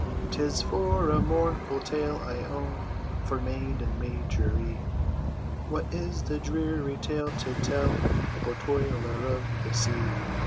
"'Tis for a mournful tale I own, Fair maiden Marjorie." "What is the dreary tale to tell, O toiler of the sea?"